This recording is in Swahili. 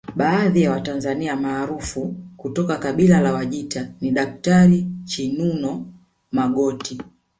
Baadhi ya Watanzania maarufu kutoka kabila la Wajita ni Daktari Chinuno Magoti